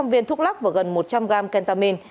bốn trăm linh viên thuốc lắc và gần một trăm linh gram kentamin